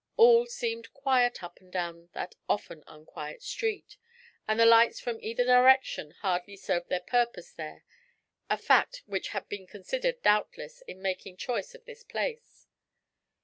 All seemed quiet up and down that often unquiet street, and the lights from either direction hardly served their purpose there, a fact which had been considered, doubtless, in making choice of this place.